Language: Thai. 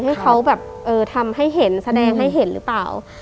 ให้เขาแบบทำให้เห็นแสดงให้เห็นหรือเปล่า